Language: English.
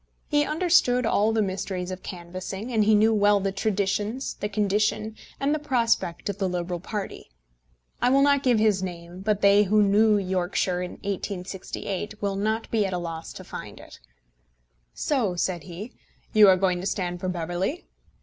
He understood all the mysteries of canvassing, and he knew well the traditions, the condition, and the prospect of the Liberal party. I will not give his name, but they who knew Yorkshire in 1868 will not be at a loss to find it. "So," said he, "you are going to stand for Beverley?"